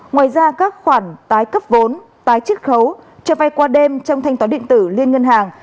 ngoài ra các khoản tái cấp vốn tái trích khấu cho vay qua đêm trong thanh tóa định tử liên ngân hàng